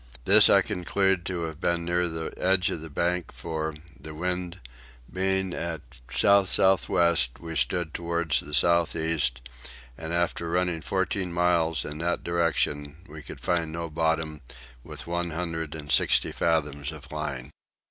This I conclude to have been near the edge of the bank for, the wind being at south south west, we stood towards the south east; and after running fourteen miles in that direction we could find no bottom with one hundred and sixty fathoms of line.